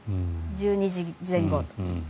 １２時前後。